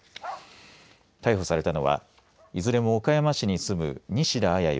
逮捕されたのはいずれも岡山市に住む西田彩